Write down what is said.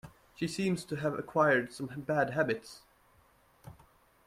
She seems to have acquired some bad habits